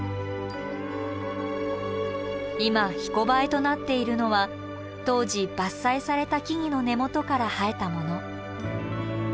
今ひこばえとなっているのは当時伐採された木々の根元から生えたもの。